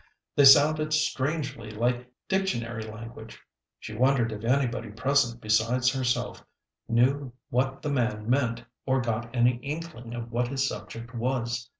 They sounded strangely like dictionary language. She wondered if anybody present besides herself knew what the man meant or got any inkling of what his subject was.